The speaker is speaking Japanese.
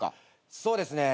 そうですね。